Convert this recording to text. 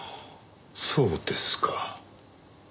そうですか。